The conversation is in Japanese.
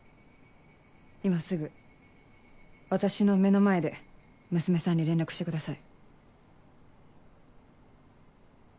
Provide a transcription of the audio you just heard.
今すぐ私の目の前で娘さんに連絡してください。